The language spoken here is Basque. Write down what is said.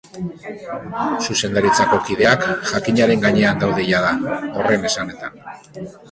Zuzendaritzako kideak jakinaren gainean daude jada, horren esanetan.